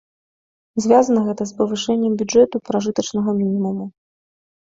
Звязана гэта з павышэннем бюджэту пражытачнага мінімуму.